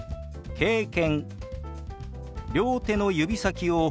「経験」。